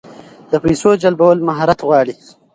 د پیسو جلبول مهارت غواړي.